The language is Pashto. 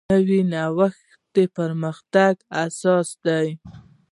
نوی نوښت د پرمختګ اساس دی